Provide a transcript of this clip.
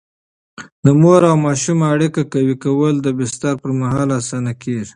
د مور او ماشوم اړیکه قوي کول د بستر پر مهال اسانه کېږي.